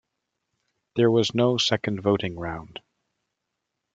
There was no second voting round.